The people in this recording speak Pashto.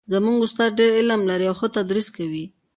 زموږ استاد ډېر علم لري او ښه تدریس کوي